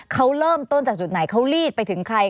เขาเริ่มต้นจากจุดไหนเขาลีดไปถึงใคร